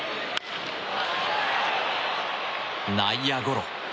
内野ゴロ。